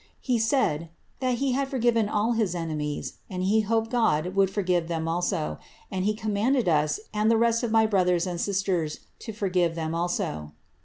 He said ^ that he bad forffive his enemies, and he hoped God would forgive them also ; and he * manded us, and all the rest of my brothers and sisters, to foi^ve also.'